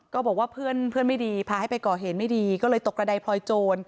ก็บอกว่าเพื่อนไม่ดีพาให้ไปก่อเหตุไม่ดีก็เลยตกระดายพลอยโจร